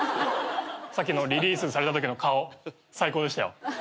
さっきのリリースされたときの顔最高でしたよ。